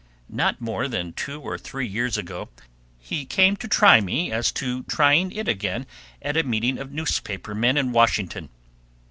Not more than two or three years ago, he came to try me as to trying it again at a meeting of newspaper men in Washington.